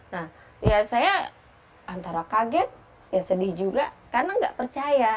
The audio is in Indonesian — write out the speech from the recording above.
nah ya saya antara kaget ya sedih juga karena nggak percaya